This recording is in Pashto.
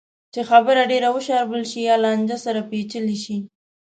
چې خبره ډېره وشاربل شي یا لانجه سره پېچل شي.